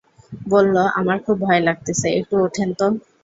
বলল, আমার খুব ভয় লাগতেছে, একটু উঠেন তো।